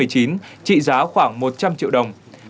trị giá khoảng một trăm linh triệu đồng